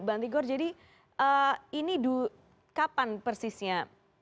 bang tigor jadi ini kapan persisnya